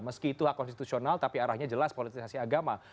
meski itu hak konstitusional tapi arahnya jelas politisasi agama